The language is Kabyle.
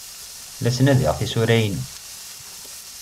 La ttnadiɣ tisura-inu.